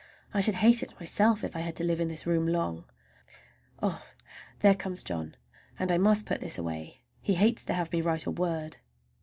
I should hate it myself if I had to live in this room long. There comes John, and I must put this away,—he hates to have me write a word.